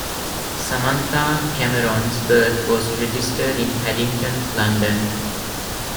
Samantha Cameron's birth was registered in Paddington, London.